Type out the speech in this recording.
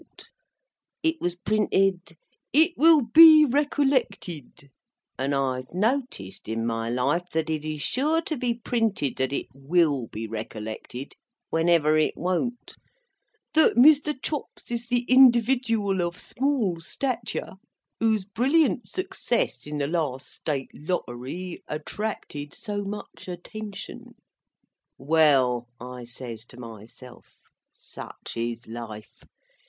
It was printed, "It will be recollected"—and I've noticed in my life, that it is sure to be printed that it will be recollected, whenever it won't—"that Mr. Chops is the individual of small stature, whose brilliant success in the last State Lottery attracted so much attention." Well, I says to myself, Such is Life!